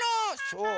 そう？